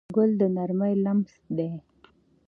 ګل د نرمۍ لمس دی.